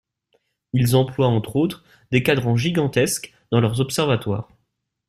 Ils emploient, entre autres, des quadrants gigantesques dans leurs observatoires.